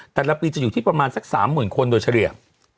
แต่ละปีจะอยู่ที่ประมาณสัก๓๐๐๐คนโดยเฉลี่ย